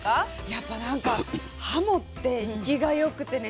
やっぱなんかはもって生きが良くてね